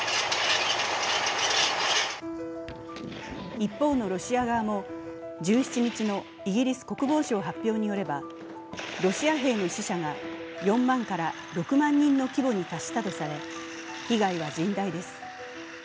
一方のロシア側も１７日のイギリス国防省発表によればロシア兵の死者が４万から６万人の規模に達したとされ、被害は甚大です。